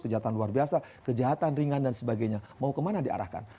kejahatan luar biasa kejahatan ringan dan sebagainya mau kemana diarahkan